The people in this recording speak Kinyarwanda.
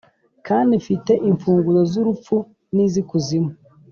kandi mfite imfunguzo z’urupfu n’iz’ikuzimu.